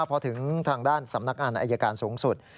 พอถึงทางด้านสำนักงานอายการสูงสุด